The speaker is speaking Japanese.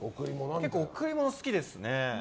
結構、贈り物好きですね。